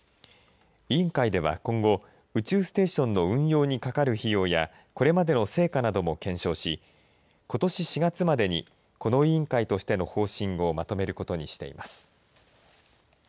委員会では今後宇宙ステーションの運用にかかる費用やこれまでの成果なども検証しことし４月までにこの委員会としての方針を求めることにしています。